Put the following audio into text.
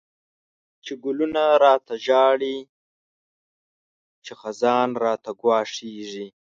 چی ګلونه ړاته ژاړی، چی خزان راته ګواښيږی